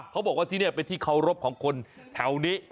เขาบอกว่าที่นี่เป็นที่เคารพของคนแถวนี้